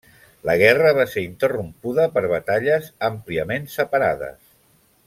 La guerra va ser interrompuda per batalles àmpliament separades.